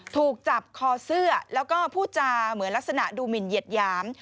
ถูกจับคอเสื้อแล้วก็พูดจาเหมือนลักษณะดูหมินเหยียดหยาม